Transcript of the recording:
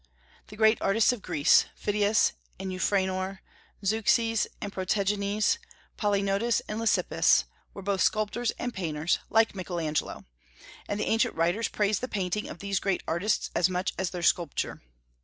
The great artists of Greece Phidias and Euphranor, Zeuxis and Protogenes, Polygnotus and Lysippus were both sculptors and painters, like Michael Angelo; and the ancient writers praise the paintings of these great artists as much as their sculpture.